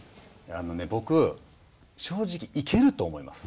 あのね僕正直行けると思います。